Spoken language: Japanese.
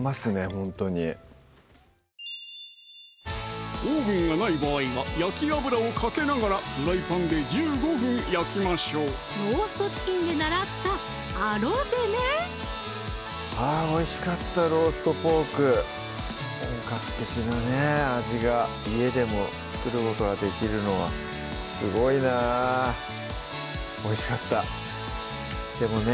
ほんとにオーブンがない場合は焼き油をかけながらフライパンで１５分焼きましょう「ローストチキン」で習ったアロゼねあぁおいしかった「ローストポーク」本格的な味が家でも作ることができるのはすごいなぁおいしかったでもね